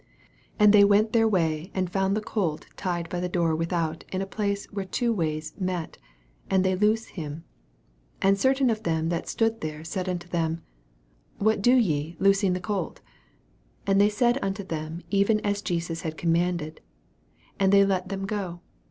4 And they went their way, and found the colt tied by the door with out in a place where two ways met ; and they loose him. 5 And certain of them that stood there said unto them, What do ye loosing the colt? 6 And they said unto them even as Jesus had cormnan led : an<_ tlj let them go.